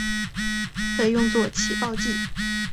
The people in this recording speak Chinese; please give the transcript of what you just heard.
可用作起爆剂。